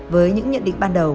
với những nhận định ban đầu